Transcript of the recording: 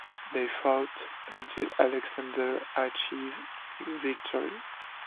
They fought until Alexander achieved victory.